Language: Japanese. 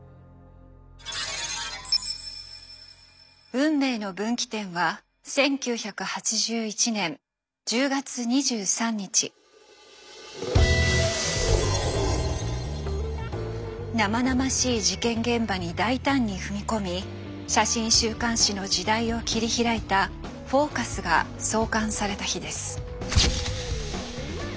運命の分岐点は生々しい事件現場に大胆に踏み込み写真週刊誌の時代を切り開いた「ＦＯＣＵＳ」が創刊された日です。